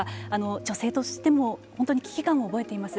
女性としても本当に危機感を覚えています。